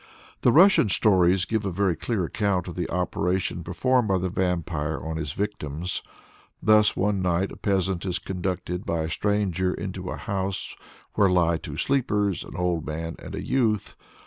The Russian stories give a very clear account of the operation performed by the vampire on his victims. Thus, one night, a peasant is conducted by a stranger into a house where lie two sleepers, an old man and a youth.